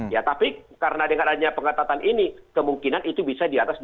ya tapi karena dengan adanya pengetatan ini kemungkinan itu bisa di atas dua puluh